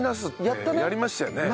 やりましたよね。